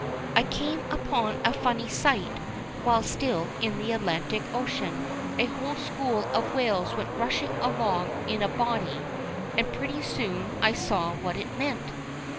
I came upon a funny sight while still in the Atlantic Ocean. A whole school of whales went rushing along in a body, and pretty soon I saw what it meant.